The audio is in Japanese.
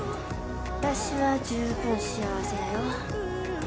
私は十分幸せやよ